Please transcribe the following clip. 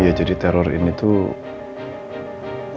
ya jadi teror ini tuh